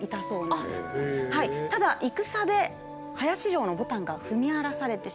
ただ戦で林城の牡丹が踏み荒らされてしまう。